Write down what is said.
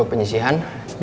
aku mau pergi ke rumah